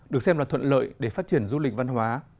được xem là thuận lợi để phát triển du lịch văn hóa